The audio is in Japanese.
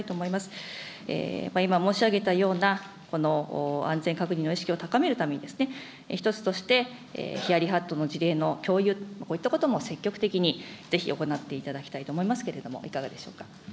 やっぱり今、申し上げたような、この安全確認の意識を高めるために、一つとして、ヒヤリハットの事例の共有、こういったことも積極的にぜひ行っていただきたいと思いますけれども、いかがでしょうか。